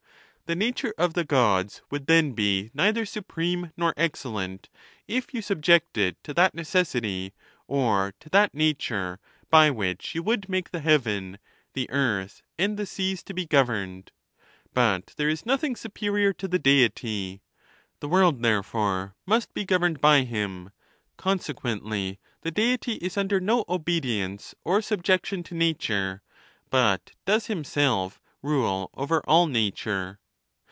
The nature of the Gods would then be neither supreme nor excellent, if you subject it to that necessity or to that nature, by which you would make the heaven, the earth, and the seas to be governed. But there is nothing superior to the Deity ; the world, there fore, must be governed by him : consequently, the Deity is under no obedience or subjection to nature, but does him self rule over all natui'e.